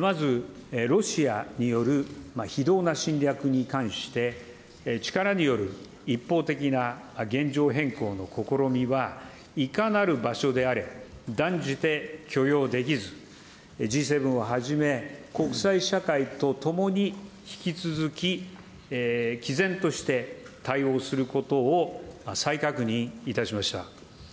まずロシアによる非道な侵略に関して、力による一方的な現状変更の試みは、いかなる場所であれ、断じて許容できず、Ｇ７をはじめ、国際社会とともに、引き続ききぜんとして対応することを再確認いたしました。